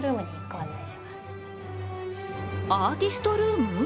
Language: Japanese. アーティストルーム？